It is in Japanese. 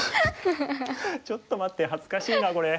ちょっと待って恥ずかしいなこれ。